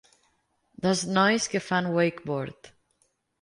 Dos nois que fan wakeboard.